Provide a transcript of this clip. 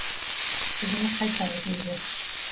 Бөгөн үк ҡайтабыҙ өйгә.